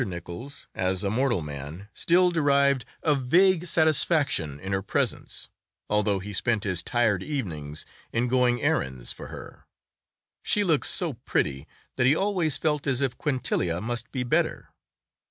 Nichols, as a mortal man, still derived a vague satisfaction in her presence, although he spent his tired evenings in going errands for her; she looked so pretty that he always felt as if Quintilia must be better.